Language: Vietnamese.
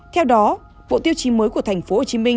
theo đó bộ tiêu chí mới của thành phố hồ chí minh